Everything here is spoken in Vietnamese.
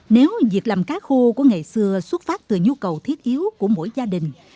nếu việc làm cá khô của ngày xưa xuất phát từ nhu cầu thiết yếu của mỗi gia đình